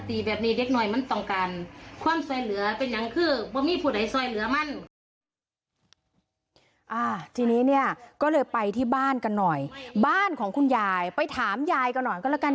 ทีนี้เนี่ยก็เลยไปที่บ้านกันหน่อยบ้านของคุณยายไปถามยายกันหน่อยก็แล้วกัน